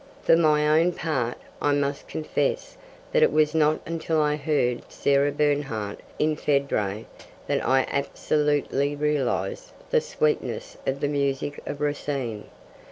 For my own part, I must confess that it was not until I heard Sarah Bernhardt in Phedre that I absolutely realised the sweetness of the music of Racine.